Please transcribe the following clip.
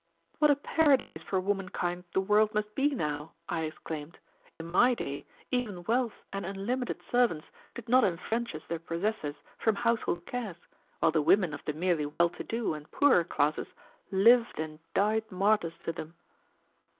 "What a paradise for womankind the world must be now!" I exclaimed. "In my day, even wealth and unlimited servants did not enfranchise their possessors from household cares, while the women of the merely well to do and poorer classes lived and died martyrs to them."